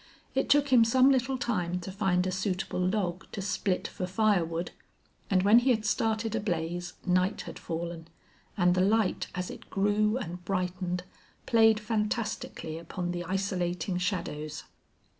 It took him some little time to find a suitable log to split for fire wood, and when he had started a blaze night had fallen, and the light as it grew and brightened played fantastically upon the isolating shadows.